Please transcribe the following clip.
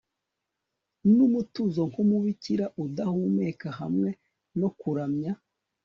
Numutuzo nkumubikira udahumeka hamwe no kuramya